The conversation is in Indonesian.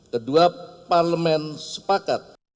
kedua parlemen sepakat